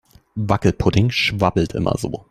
Wackelpudding schwabbelt immer so.